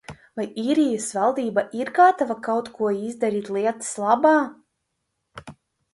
Vai Īrijas valdība ir gatava kaut ko darīt lietas labā?